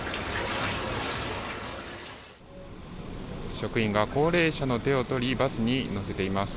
職員が高齢者の手を取りバスに乗せています。